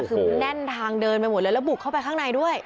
คือแน่นทางเดินไปหมดเลยแล้วบุกเข้าไปข้างในด้วย